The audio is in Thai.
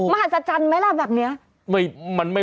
มหสจันต์อะ